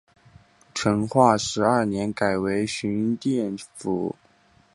成化十二年改为寻甸府。